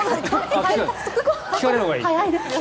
聞かないほうがいい？